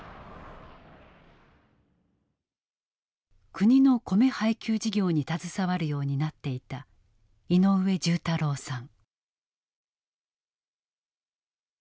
国の米配給事業に携わるようになっていた井上重太郎さん。